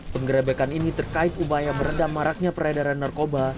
penggerebekan ini terkait upaya meredam maraknya peredaran narkoba